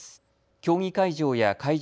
競技会場や会場